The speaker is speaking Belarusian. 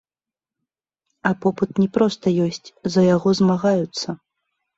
А попыт не проста ёсць, за яго змагаюцца.